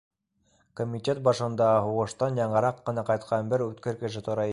Комитет башында һуғыштан яңыраҡ ҡына ҡайтҡан бер үткер кеше тора икән.